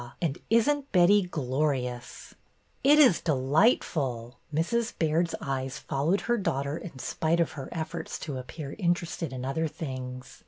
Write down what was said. And is n't Betty glorious !" It is delightful." Mrs. Baird's eyes followed her daughter in spite of her efforts to appear interested in other things.